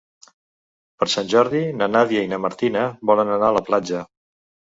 Per Sant Jordi na Nàdia i na Martina volen anar a la platja.